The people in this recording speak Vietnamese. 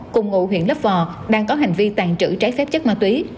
cùng ngụ huyện lấp vò đang có hành vi tàn trữ trái phép chất ma túy